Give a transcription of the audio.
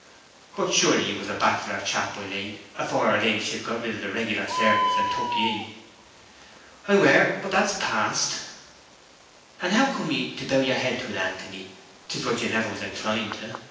'But surely you was a bachelor chap by late, afore her ladyship got rid of the regular servants and took ye?' 'I were; but that's past!' 'And how came ye to bow yer head to 't, Anthony? 'Tis what you never was inclined to.